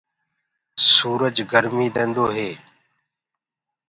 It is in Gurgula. سُورج گرميٚ ديندو هي۔